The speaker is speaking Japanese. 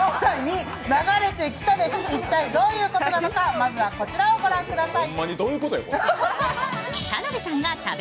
一体どういうことなのか、まずはこちらを御覧ください。